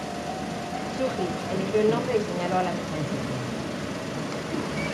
Tsuji eligió el nombre y señaló a la misma insignia.